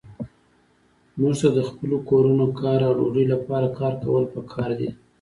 موږ ته د خپلو کورونو، کار او ډوډۍ لپاره کار کول پکار دي.